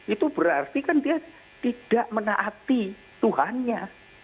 itu berarti kan dia tidak menaati tuhannya